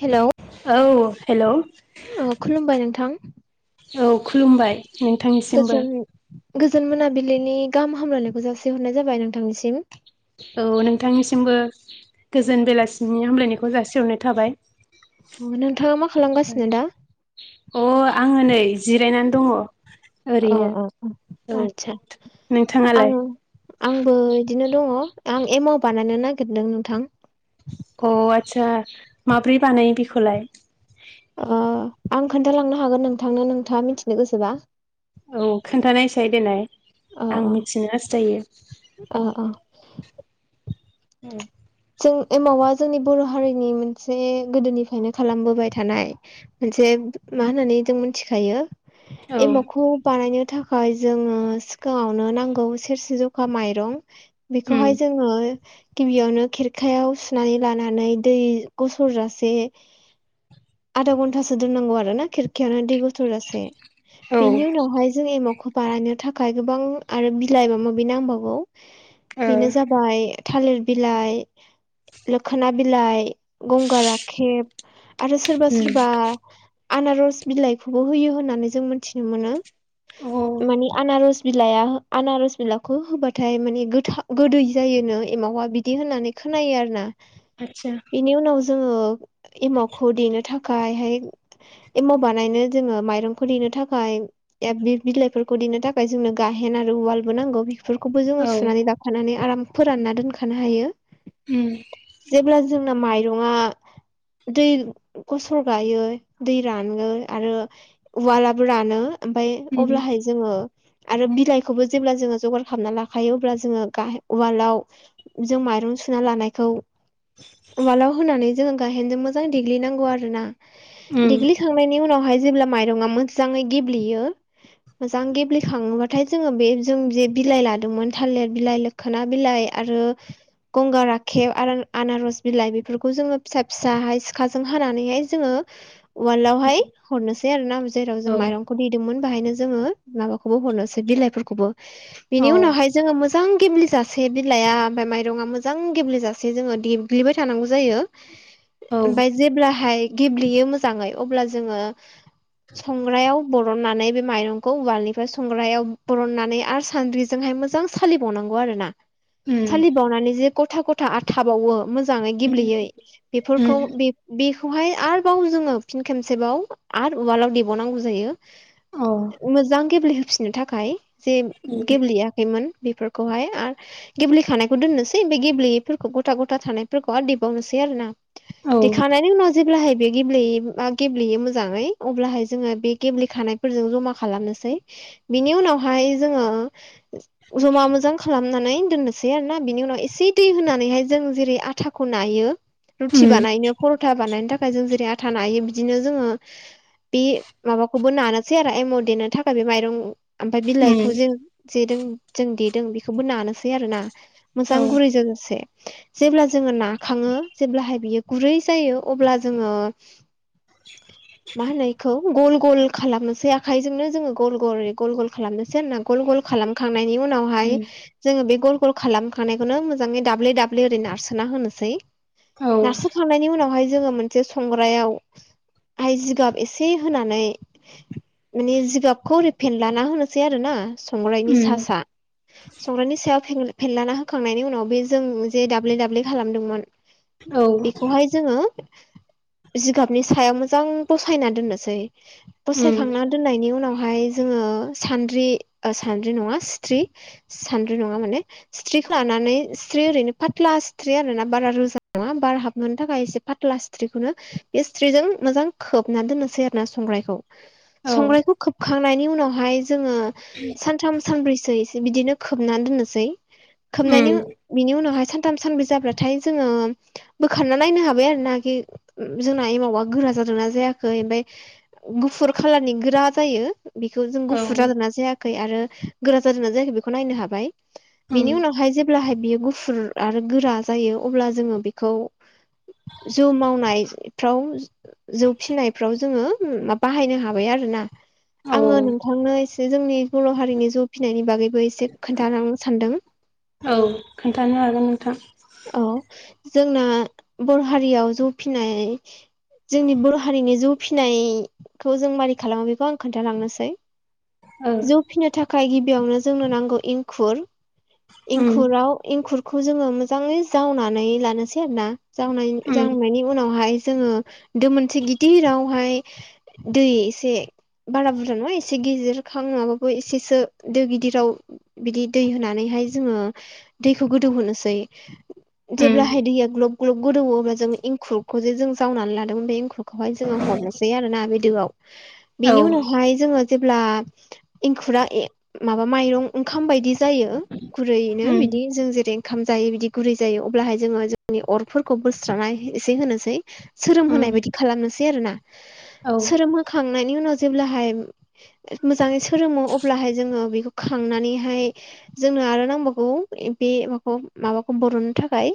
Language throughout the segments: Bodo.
हेलौ औ हेल'। ओ खुलुमबाय नोंथां औ खुलुमबाय नोंथांनिसिमबो। गोजोन गोजोन मोनाबिलिनि गाहाम हामलायनायखौ जासिहरनाय जाबाय नोंथांनिसिम। औ नोंथांनिसिमबो गोजोन बेलासिनि हामलायनायखौ जासिहरनाय थाबाय। नोंथाङा मा खालामगासिनो दा? अ आङो नै जिरायनानै दङ। अ ओरैनो अ अ औ आथसा। नोंथाङालाय आं आंबो बिदिनो दङ। आं एमाव बानायनो नागिरदों नोंथां। अ आदसा माब्रै बानायो बेखौलाय? ओ आं खोन्थालांनो हागोन नोंथांनो नोंथाङा मिथिनो गोसोबा। औ खोन्थानायसाय देनाय अ आं अ मिथिनो हास्थायो। अ अ उम। जों एमावा जोंनि बर' हारिनि मोनसे गोदोनिफ्रायनो खालामबोबाय थानाय मोनसे मा होननानै जों मिथिखायो औ एमावखौ बानायनो थाखा य जोङो सिगाङावनो नांगौ सेरसे जखा माइरं। उम बेखौहाय जोङो गिबियावनो खेरखायाव सुनानै लानानै दै गसरजासे आधा घन्टासो दोननांगौ आरो ना खिरखियावनो दै गु [unintelligible] औ बेनि उनावहाय जों एमावखौ बानायनो थाखाय गोबां आरो बिलाइ मा माबि नांबावगौ ओ बेनो जाबाय। थालिर बिलाइ, मोखोना बिलाइ, गंगा राखेब आरो सोरबा उम सोरबा आनारस बिलाइखौबो होयो होननानै जों मिथिनो मोनो। अ मानि आनारस बिलाइाया आनारस बिलाखौ होबाथाय माने गोथा गोदै जायोनो एमावा बिदि होननानै खोनायो आरो ना? आतसा जोङो एमावखौ देनो थाखाय हाय एमाव बानायनो जोङो माइरंखौ देनो बे बिलाइफोरखौ देनो थाखाय जोंनो गाहेन आरो उवालबो नांगौ। बेफोरखौबो जोङो औ सुनानै लााखानानै आराम फोरानना दोनखानो हायो। उम जेब्ला जोंना माइरंआ दै गसर गायो दै रानो आरो उवालाबो रानो ओमफ्राय उम अब्लाहाय जोङो आरो बिलाइखौबो जेब्ला जोङो जगार खालामना लाखायो अब्ला जोङो गाह उवालाव जों माइरं सुना लानायखौ उवालाव होनानै जोङो गाहेनजों मोजां देग्लिनांगौ आरो ना। उम देग्लिखांनायनि उनावहाय जेब्ला माइरङा मोजाङै गेब्लेयो मोजां गेब्लेखाङोबाथाय जोङो बे जों जे बिलाइ लादोंमोन थालिर बिलाइ लोखोना बिलाइ आरो गंगार राखेब आनारस बिलाइ बेफोरखौ जोङो फिसा फिसाहाय सिखाजों हानानैहाय जोङो वालावहाय हरनोसै आरो ना जेराव जों औ माइरंखौ देदोंमोन। बेहायनो जोङो माबाखौबो हरनोसै बिलाइफोरखौबो अ बिनि उनावहाय जोङो मोजां गेमलिज जासे बिलाइ ओमफ्राय माइरङा मोजां मोजां गेब्लेेजासे जोङो देबग्लिबाय थानांगौ जायो औ ओमफ्राय जेब्लाहाय गेब्लेयो मोजाङै अब्ला जोङो संग्रायाव बरननानै बे माइरंखौ उवालनिफ्राय संग्रायाव बरननानै आरो सान्द्रिजोंहाय मोजों सालिबावनांगौ आरो ना, उम साहलिबावनानै जे गथा गथा आरो थाबावो- - मोजै उम गेब्लेयै बेफोरखौ उम खौहाय आरोबाव जोङो फिन खेबसेबाव आरो उवालाव देबावनांगौ जायो। औ मोजां गेब्लेहोफिननो थाखाय जे उम गेब्लेयाखैमोन। बेफोरखौहाय आर गेब्लेखानायखौ दोननोसै। बे गेब्लेयैफोरखौ गथा गथा थानायफोरखौ आरो देबावनोसै आरोोना औ देखांनायनि उनाव जेब्लाहाय बे गेब्लेयैया गेब्लेयो मोजाङै अब्लाहाय जोङो बे गेब्लेखानायफोरजों जमा खालामनोसै। बिनि उनावहाय जोङो। जमा मोजां खालामनानै दोननोसै आरो ना बिनि उनाव। सि दै होनानैहाय जों जेरै आथाखौ नायो रुटि उम बानायनो पर'था बानायनो थाखाय फ्राय जों जेरै आथा नायायो बिदिनो जोङो। बे माबाखौबो नानोसै आरो एम' देनो थाखाय बे माइरं ओमफ्राय बिलाइखौ उम जों जे जों देदों बेखौबो नानोसै आरो ना। मोजां औ गुरैजों लोगोसे जेब्ला जोङो ना खााङो जेब्लाहाय बियो गुरै जायो अब्ला जोङो [unintelligible] मा होननायखौ गल गल खालामनोसै आखाइजोंनो जोङो गल गल गल गल खालामनोसै होनना गल गल खालामखां खालामनायनि उनावहाय उम जों बे गल गल खालाम खौनो मोजाङै दाब्ले दाब्ले ओरै नारसोना होनोसै औ नारसोखांनायनि उनावहाय जोङो मोनसे संग्रायाव आइ जिगाब एसे होनानै माने जिगाबखौ ओरै फेनलाना होनोसै आरो ना। संग्रायनि सा उम सा संग्रायनि सायाव फेनलाना हो होखांनायनि उनाव बे जों जे दाब्ले दाब्ले खालामदोंमोन औ बेखौहाय जोङो [unintelligible] जिगाबनि सायाव मोजां बसायना दोननोसै उम बसायखांना दोननायनि उनावहाय जोङो ओ सानद्रि ओ सानद्रि नङा स्थ्रि सान्द्रि नङा माने स थ्रिफ्लानानै सिथ्रि ओरैनो फाथ्ला सिथ्रि आरो ना बारा रोजा नङा बार हाबनो थाखाय एसे फाथ्ला सिथ्रिखौनो बे सिथ्रिजों मोजां खोबना दोननोसै आरो ना संग्रायखौ औ उम संग्रायखौ खोबखांनायनि उनावहाय जोङो सानथाम सानब्रैसो इसे बिदिनो खोबनान दोननोसै खोबनायनि बिनि उनावहाय सानथाम सानब्रैसो जाब्लाथाय जोङो बोखारना नायनो हाबाय आरोना गि जोंना एमावा गोरा जादोंना जाया याखै ओमफाय गुफुर खालारनि गोरा जायो बिखौ जों औ गुफुर जादोंना जायाखै आरो गोरा जादोंना जायाखै बेखौ नायनो हाबाय उम बिनि उनाव जेब्लाहाय बियो गुफुर आरो गोरा जायो अब्ला जोङो बेखौ जौ मावनायफ्राव जौ फिनायफ्राव जोङो मा बाहायनो हाबाय आरो ना औ आङो नोंथांनो इस जोंनि बर' हारिनि जौ फिनायनि बागैबो एसे खोन्थालांन सानदों औ खोन्थानो हागोन नोंथां औ जोंना बर' हारियाव जौ फिनाय जोंनि बर' हारिनि जौ फिनायखौ जों मारै खालामो बेखौ आं खोन्थालांनोसै औ जौ फिनो थाखाय गिबियावनो जोंनो नांगौ इंखुर उम एंखुराव एंखुरखौ जोङो मोजाङै जावनानै लानोसै आरो ना जावनाय उम जावनायनि उनावहाय जोङो दो मोनसे गिदिरावहाय दै एसे बारा बुरजा नङा एसे गिदिर खामनाबाबो एसे सो दो गिदिराव बिदि दै होनानैहाय जोङो दैखौ गोदौहोनोसै उम जेब्लाहाय दैया ग्लब ग्लब गोदौवो अब्ला जों एंखुरखौ जे जों जावनानै लादोंमोन बे एंखुरखौहाय जोङो हरनोसै आरोना बे दोआव औ बिनि उनावहाय जोङो जेब्ला एंखुरा ए माबा माइरं ओंखाम बायदि जायो गुरैनो उम बिदि जों जेरै खाम जायो बिदि गुरै जायो अब्लाहाय जोङो जोंनि अरफोरखौ बोस्रांना एसे होनोसै सोरोम होनो उम नायबादि खालामनोसै आरोना औ सोरोम होखांनायनि उनाव जेब्लाहाय मोजाङै सोरोमो अब्लाहाय जोङो बेखौ खांनानैहाय जोंनो आरो नांबावगौ ए बे माखौबा माबाखौ बर'नो थाखाय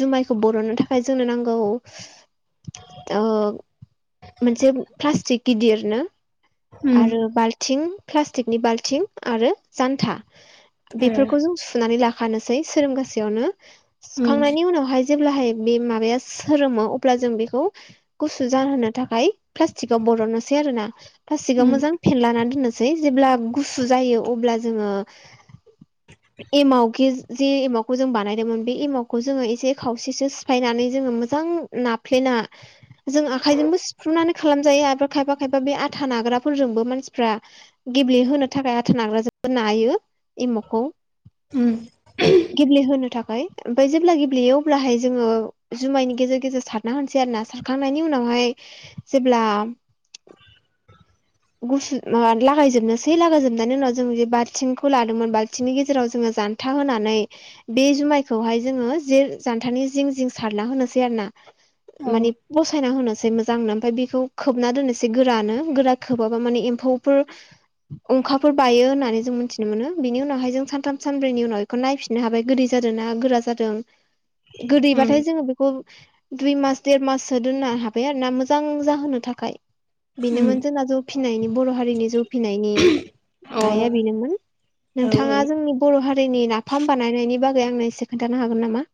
जुमायखौ बर'ननो थाखाय जोंनो नांगौ ओ मोनसे प्लास्टिक गिदिरनो उम आरो बाल्थिं प्लास्टिकनि बाल्थिं आरो जान्था ए बेफोरखौ जों सुनानै लाखानोसै सोरोमगासेयावनो उम सुखांनायनि उनावहाय जेब्लाहाय बे माबाया सोरोमो अब्ला जों बेखौ गुसु जाहोनो थाखाय प्लास्टिकआव ब बर'ननोसै आरोना प्लास्टिकाव उम मोजां फेनलानान दोननोसै जेब्ला गुसु जायो अब्ला जोङो [unintelligible] एमावखे जे एमावखौ जों बानायदोंमोन बे एमावखौ जोङो एसे खावसेसो सिफायनानै जोङो मोजां नाफ्लेना जों आखायजोंबो सिुफ्रुनानै खालामजायो आरो खायफा खायफा बे आथा नाग्रा फोरफोरजोंबो मानसिफ्रा गेब्लेहोनो थाखाय आथा नाग्राजोंबो नायो एमावखौ उम गेब्ले होनो था खाय ओमफ्राय जेब्ला गेब्लेयो अब्लाहाय जोङो जुमायनि गेजेर गेजेर सारना होनसै आरना सारखांनायनि उनाव हाय जेब्ला गुसु माबा लागायजोबनोसै लागायजोबनायनि उनाव जों जे बाल्थिंखौ लादोंमोन बाल्थिंनि गेजेराव जोङो जान्था होनानै बे जुमायखौहाय जोङो जे जानथानि जिं जिं सारना होनोसै आरोना औ माने पसायना होनोसै मोजांनो ओमफ्राय बेखौ खोबना दोननोसै गोरानो गोरा खोबाबा माने एम्फौफोर अंखाफोर बायो होननानै ज जों मिथिनो मोनो बिनि उनावहाय जों सानथाम सानब्रैनि उनाव बेखौ नायफिननो हाबाय गोदै जादों गोरा जादों गोदैबाथाय उम जोङो बेखौ दुइ मास देर माससो दोननो हाबाय आरो ना मोजां जाहोनो थाखाय बेनो उम मोन जौ फिनायनि बर' हारिनि जौ फिनायनि अ आया औ बेनोमोन औ नोंथाङा जोंनि ब र' हारिनि नाफाम बानायनायनि बागै आंनो एसे खोन्थानो हागोन नामा?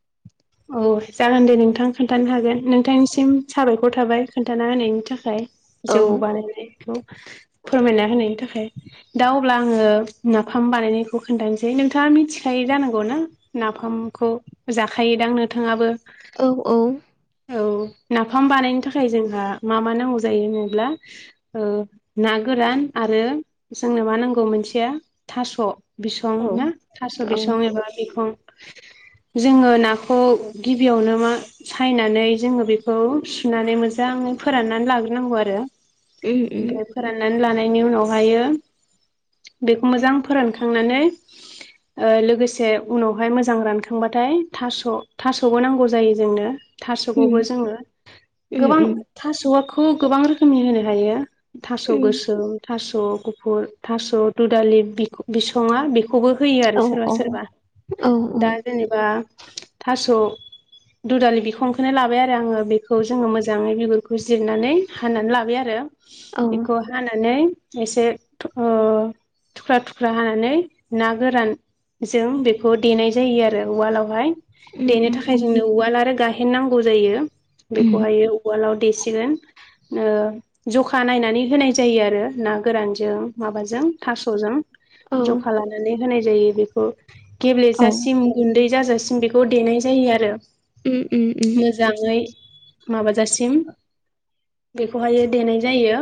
औ जागोन दे नोंथां खोन्थानो हागोन। नोंथांनिसिम साबायखर थाबाय खोन्थाना होनायनि थाखाय। औ जौ बानायनाय बेखौ फोरमायना होनायनि थाखाय। दा अब्ला आङो नाफाम बानायनायखौ खोन्थानोसै नोंथाङा मिथिखायो जानांगौ ना नाफाम खौ जाखायोदांनो नोंथाङाबो? औ औ। औ नाफाम बानायनो थाखाय जोंहा मा मा नांगौ जायो होनोब्ला ओ ना गोरान आरो आरो जोंनो मा नांगौ मोनसेया थास'। बिसं औ ना थास' औ बिसं एबा बिखं। जोङो ना खौ गिबियावनो मा सायनानै जोङो बेखौ सुनानै मोजाङै फोराननानै लाग्रो नांगौ आरो उम उम ओमफ्राय फोराननानै लानायनि उनावहायो बेखौ मोजां फोरानखांनानै ओ लोगोसे उनावहाय मोजां रानखांबाथाय थास' थास'बो नांगौ जायो जोंनो थास'खौबो उम जोङो उम गोबां उम थास' खौ गोबां रोखोमनि होनो हायो। थास' उम गोसोम थास' स' गुफुर थास' दु दालि बिख- बिसङा बे खौबो होयो आरो औ सोरबा औ सोरबा। औ औ दा जेनेबा थास' दुदालि बिखंखौनो लाबाय आरो आङो बेखौ जोङो मोजाङै बिगुरखौ जिरनानै हानानै लाबाय आरो। औ बेखौ हानानै एसे ओ थुख्रा थुख्रा हानानै ना गोरान जों बेखौ देनाय जायो आरो उवालावहाय। उम देनो थाखाय उम जोंनो उवाल आरो गाहेन नांगौ जायो उम बेखौहायो उवालाव देसिगोन। ओ जखा नायनानै होनाय जायो आरो ना गोरानजों माबाजों थास'जों। औ जखा लानानै होनाय जायो बेखौ औ गेब्लेजासिम गुन्दै जाजासिम बे । खौ देनाय जायो आरो ओम ओम ओम। मोजाङै माबाजासिम बेखौहाय देनाय जायो।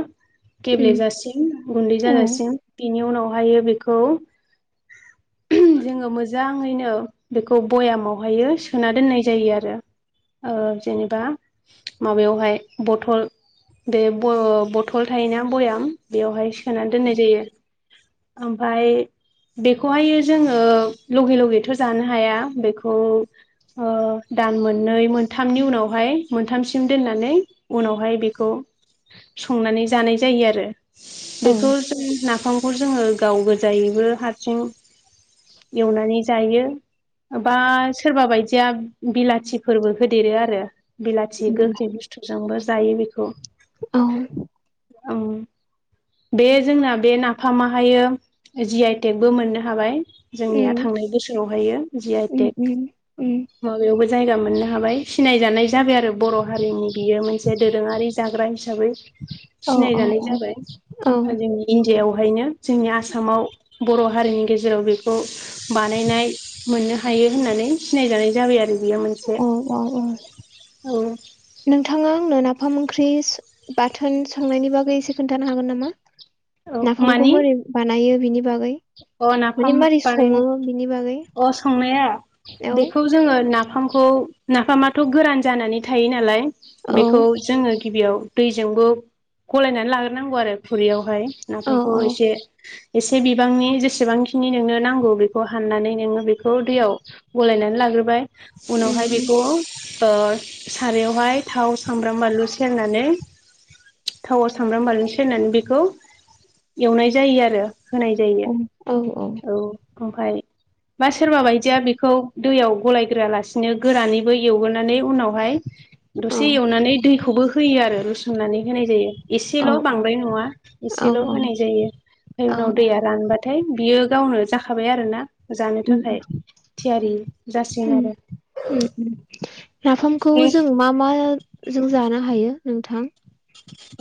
उम गेब्लेजासिम गुन्दै औ जाजासिम बेनि उनावहाय बेखौ जोङो मोजाङैनो बेखौ बयामावहायो सोना दोननाय जायो आरो। ओ जेनेबा माबायावहाय बथल बे ब-बथल थायोना बयाम बेवहाय सोना दोननाय जायो। ओमफाय बेखौहाय जोङो लगे लगेथ' जानो हाया बे औ आ दान मोननै मोनथामनि उनावहाय मोनथामसिम दोननानै उनावहाय बेखौ संनानै जानाय जायो आरो। औ बेखौ जों नाफामखौ जोङो गाव गोजायैबो हारसिं एवनानै जायो ओ बा सोरबा बायदिया बिलाथिफोरबो होदेरो आरो। बिलाथि गोखै बुस्थुजोंबो जायो बेखौ। औ। बे जोंना बे नाफामाहायो जि आइ टेकबो मोननो हाबाय। जोंनिया थांनाय बोसोरावहायो जि आइ उम उम। बो जायगा मोननो हाबाय सिनाय जानाय जाबाय आरो बर' हारिनि बियो मोनसे दोरोङारि जाग्रा हिसाबै। साबै औ सिनायजानाय औ जाबाय जोंनि इण्डियाआव बेहायनो जोंनि आसामाव बर' हारिनि गेजेराव बेखौ बानायनाय मोननो हायो होननानै सिनायजानाय जाबाय आरो बेयो मोनसे औ औ औ औ नोंथाङा आंनो ना फाम ओंख्रि सो बाथोन संनायनि बागै एसे खोन्थानो हागोन नामा? औ नाफामखौ मानि मोरै बानायो बिनि बागै? अ माने नाफाम मारै माने सङो बिनि बागै अ संनाया औ बेखौ जोङो नाफ फामखौ नाफामाथ' गोरान जानानै थायो नालाय औ बेखौ जोङो गिबियाव दैजोंबो गलायनानै लाग्रोनांगौ आरो खुरैयावहाय औ नाफामखौ औ एसे एसे बि बिबांनि जेसेबांखिनि नोंनो नांगौ बेखौ हाननानै नोङो बेखौ दैयाव गलायनानै लाग्रोबाय। उनावहाय उम बेखौ ओ सारायावहाय थाव सामब्राम बानलु सेरनानै थावआव सामब्राम बानलु सेरनानै बेखौ एवनाय जायो आरो। होनाय जायो उम औ औ ओमफाय बा सोरबा बायदिया बेखौ दैयाव गलायग्रोआ लासिनो गोरानैबो एवग्रोनानै उनाव हाय औ दसे एवनानै दैखौबो होयो आरो रुसुननानै होनाय जायो औ एसेल' बांद्राय नङा ए औ सेल' होनाय जायो ओमफ्राय औ उनाव मोनबाथाय बियो गावनो जाखाबाय आरोना। जानो उम थाखाय थियारि जासिगोन उम आरो। उम उम नाफामखौ जों मा म जों जानो हायो नोंथां?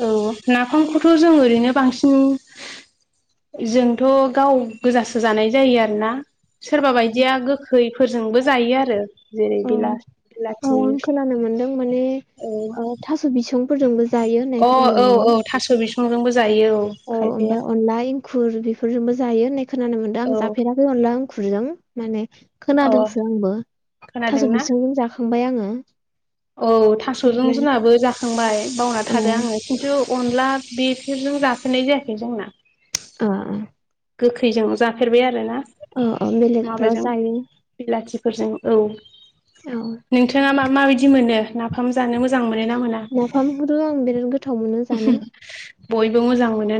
औ नाफामखौथ' जों ओरैनो बांसिन जोंथ' गाव गोजासो जानाय जायो आरोना? औ सोरबा बायदिया गोखैफोरजोंबो जायो आरो। जेरै औ बिला बिलाथि औ आं खोनानो मोनदों माने ओ थास' बिसंफोरजोंबो जायो होननाय औ खोनानो अ औ मोनदों। औ थास' बिसंजोंबो जायो औ खायफाया ओमफाय अला इं खुर बेफोरजोंबो जायो होननाय खोनानो मोनदों औ आं जाफेराखै अनला आंखुरजों माने औ खोनादोंसो आंबो थास' खोनादोंना बिसांजों जाखांबाय आङो। औ थास'जों ओमफ्राय जोङाबो जाखांबाय बावना औ थादो आङो खिन्थु अनला बेफोरजों जाफेरनाय जायाखै जोंना ओ अ गोखैजों जाफेरबाय आरोना अ अ बेलेगफ्राव माबाजों जायो बिलाथि फोरजों औ औ नोंथाङा मा-माबायदि मोनो? नाफाम जानो मोजां मोन नो ना मोना नाफामखौथ' आं बिराद गोथाव मोनो जानो बयबो मोजां मोनोना?